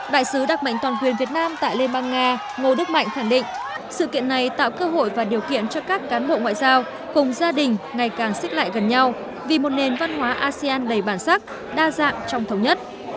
đại sứ đặc mệnh toàn quyền việt nam tại liên bang nga ngô đức mạnh khẳng định sự kiện này tạo cơ hội và điều kiện cho các cán bộ ngoại giao cùng gia đình ngày càng xích lại gần nhau vì một nền văn hóa asean đầy bản sắc đa dạng trong thống nhất